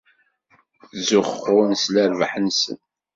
Ttzuxxun s lerbaḥ-nsen.